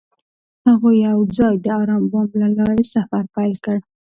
هغوی یوځای د آرام بام له لارې سفر پیل کړ.